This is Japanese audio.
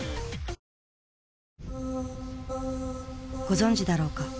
ご存じだろうか。